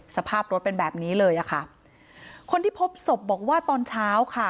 สภาพรถเป็นแบบนี้เลยอะค่ะคนที่พบศพบอกว่าตอนเช้าค่ะ